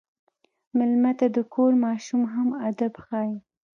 مېلمه ته د کور ماشوم هم ادب ښيي.